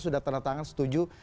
sudah tanda tangan setuju